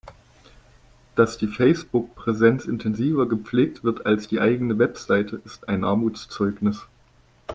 Dass die Facebook-Präsenz intensiver gepflegt wird als die eigene Website, ist ein Armutszeugnis.